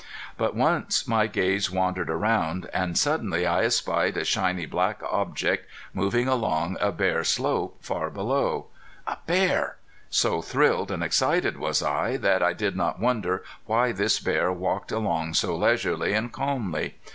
But once my gaze wandered around, and suddenly I espied a shiny black object moving along a bare slope, far below. A bear! So thrilled and excited was I that I did not wonder why this bear walked along so leisurely and calmly.